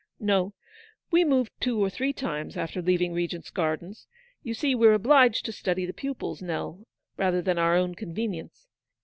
" No, we moved two or three times after leaving Regent's Gardens. You see we're obliged to study the pupils, Nell, rather than our own con venience.